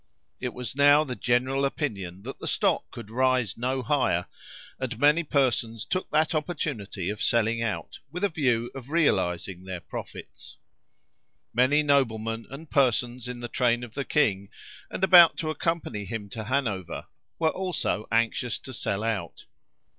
It was now the general opinion that the stock could rise no higher, and many persons took that opportunity of selling out, with a view of realising their profits. Many noblemen and persons in the train of the king, and about to accompany him to Hanover, were also anxious to sell out.